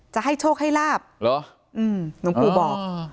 จะให้โชคให้ลาบเหรออืมหนูกูบอกอ้อ